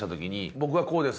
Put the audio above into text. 「僕はこうです」